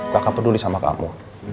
kakak peduli sama kamu